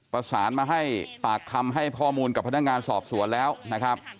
ประสานมาให้ปากคำให้ข้อมูลกับพนักงานสอบสวนแล้วนะครับ